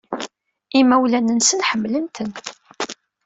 Imawlan-nsen ḥemmlen-ten.